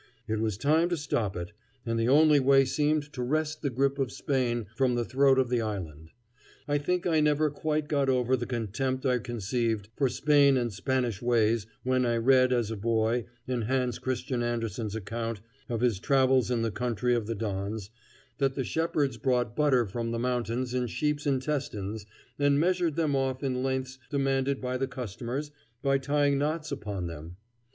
It was time to stop it, and the only way seemed to wrest the grip of Spain from the throat of the island. I think I never quite got over the contempt I conceived for Spain and Spanish ways when I read as a boy, in Hans Christian Andersen's account of his travels in the country of the Dons, that the shepherds brought butter from the mountains in sheep's intestines and measured them off in lengths demanded by the customers by tying knots upon them.